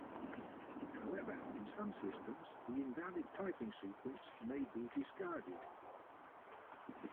However, in some systems, the invalid typing sequence may be discarded.